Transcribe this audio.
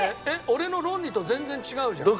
俺の論理と全然違うじゃん。